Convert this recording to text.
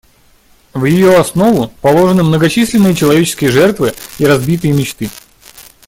В ее основу положены многочисленные человеческие жертвы и разбитые мечты.